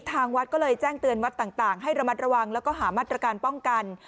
ทางวัดก็เลยแจ้งเตือนวัดต่างให้ระมัดระวังแล้วก็หามาตรการป้องกัน